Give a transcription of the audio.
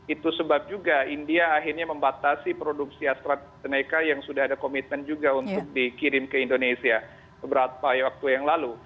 itu sebab juga india akhirnya membatasi produksi astrazeneca yang sudah ada komitmen juga untuk dikirim ke indonesia beberapa waktu yang lalu